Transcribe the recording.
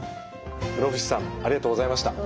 室伏さんありがとうございました。